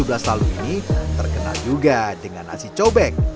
lalu ini terkenal juga dengan nasi cobek